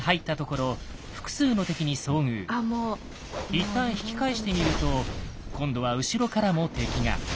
一旦引き返してみると今度は後ろからも敵が。